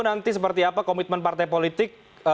nanti seperti apa komitmen partai politik